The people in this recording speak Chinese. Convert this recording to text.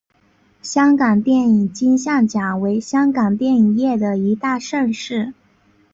香港电影金像奖为香港电影业的一大盛事。